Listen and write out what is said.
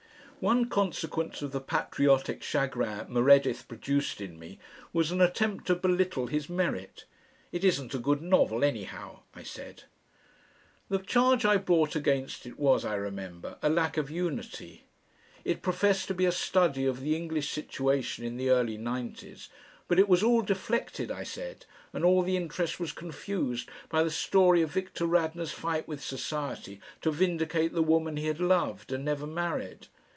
One consequence of the patriotic chagrin Meredith produced in me was an attempt to belittle his merit. "It isn't a good novel, anyhow," I said. The charge I brought against it was, I remember, a lack of unity. It professed to be a study of the English situation in the early nineties, but it was all deflected, I said, and all the interest was confused by the story of Victor Radnor's fight with society to vindicate the woman he had loved and never married.